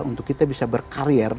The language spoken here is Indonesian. untuk kita bisa berkarier